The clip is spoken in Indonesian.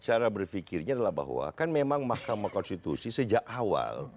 cara berpikirnya adalah bahwa kan memang mahkamah konstitusi sejak awal